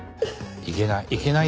いけない。